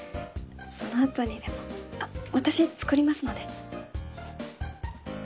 その後にでもあっ私作りますので。